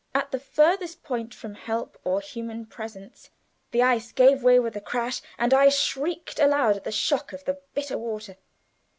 At the furthest point from help or human presence the ice gave way with a crash, and I shrieked aloud at the shock of the bitter water.